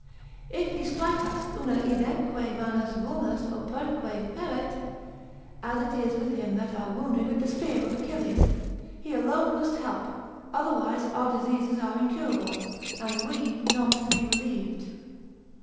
If he strike us una eademque manus vulnus opemque feret, as it is with them that are wounded with the spear of Achilles, he alone must help; otherwise our diseases are incurable, and we not to be relieved.